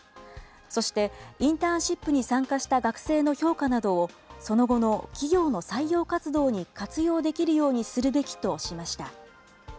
そしてインターンシップに参加した学生の評価などを、その後の企業の採用活動に活用できるようにするべきとしました。